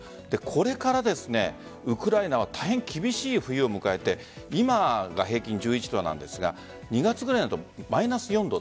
これからウクライナは大変厳しい冬を迎えて今が平均１１度なんですが２月くらいになるとマイナス４度。